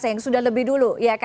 yang sudah lebih dulu